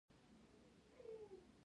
غږ دې راباندې خوږ ولگېد